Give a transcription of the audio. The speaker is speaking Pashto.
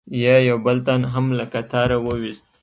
یې یو بل تن هم له قطاره و ایست.